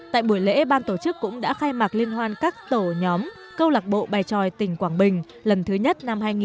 tại buổi lễ ban tổ chức cũng đã khai mạc liên hoan các tổ nhóm câu lạc bộ bài tròi tỉnh quảng bình lần thứ nhất năm hai nghìn một mươi chín